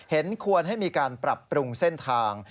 เห็นควรให้มีการปรับปรุงเส้นทาง